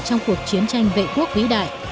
trong cuộc chiến tranh vệ quốc vĩ đại